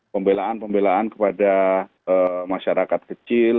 pembelaan pembelaan kepada masyarakat kecil